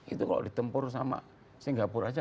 itu kalau ditempur sama singapura saja